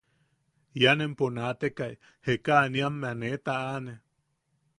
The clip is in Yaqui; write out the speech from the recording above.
Ian empo naateka jekaaniammea ne taʼane.